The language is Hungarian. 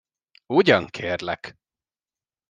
Ugyan, kérlek!